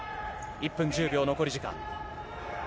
１分１０秒、残り時間。